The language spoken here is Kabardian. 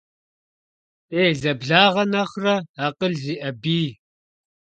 Делэ благъэ нэхърэ, акъыл зиӀэ бий.